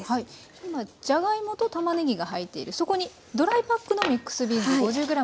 今じゃがいもとたまねぎが入っているそこにドライパックのミックスビーンズ５０ｇが入ります。